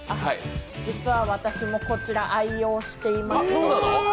実は私もこちら愛用してまして。